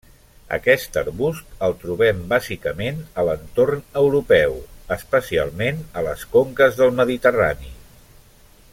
Aquest arbust el trobem bàsicament a l'entorn europeu, especialment a les conques del Mediterrani.